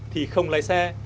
thì không lái xe